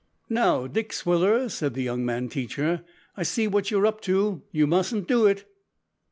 "Now, Dick Swiller," said the young man teacher, "I see what you're up to. You mustn't do it!"